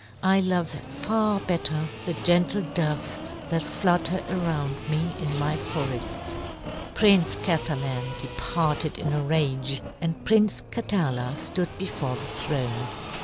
I love far better the gentle doves that flutter around me in my forest." Prince Kathalan departed in a rage, and Prince Katala stood before the throne.